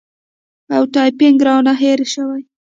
او ټایپینګ رانه هېر شوی